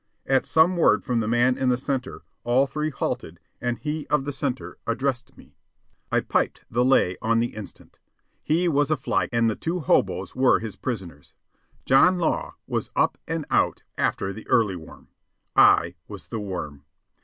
At some word from the man in the centre, all three halted, and he of the centre addressed me. I piped the lay on the instant. He was a "fly cop" and the two hoboes were his prisoners. John Law was up and out after the early worm. I was a worm.